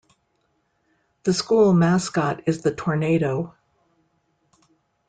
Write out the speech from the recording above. The school mascot is the Tornado.